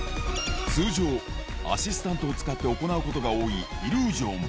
通常、アシスタントを使って行うことが多いイリュージョン。